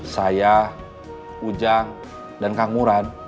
saya ujang dan kang murad